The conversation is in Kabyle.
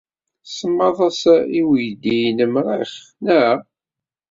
Tsemmaḍ-as i weydi-nnem Rex, naɣ?